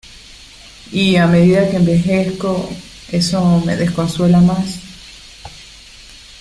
y a medida que envejezco, eso me desconsuela más.